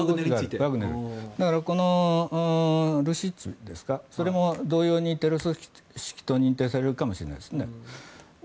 だから、このルシッチそれも同様にテロ組織と認定されるかもしれないですね。